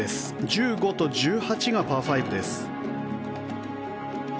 １５と１８がパー５です。